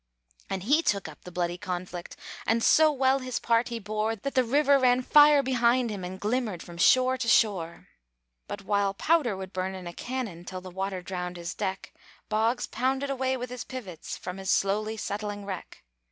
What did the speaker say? And he took up the bloody conflict, And so well his part he bore, That the river ran fire behind him, And glimmered from shore to shore. But while powder would burn in a cannon, Till the water drowned his deck, Boggs pounded away with his pivots From his slowly settling wreck.